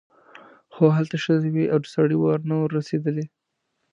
خو هلته ښځې وې او د سړي وار نه و رسېدلی.